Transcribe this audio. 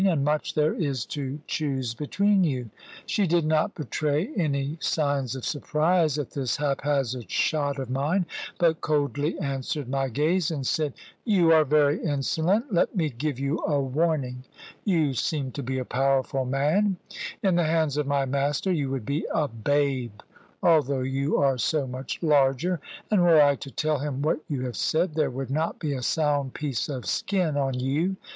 And much there is to choose between you!" She did not betray any signs of surprise at this hap hazard shot of mine, but coldly answered my gaze, and said "You are very insolent. Let me give you a warning. You seem to be a powerful man: in the hands of my master you would be a babe, although you are so much larger. And were I to tell him what you have said, there would not be a sound piece of skin on you.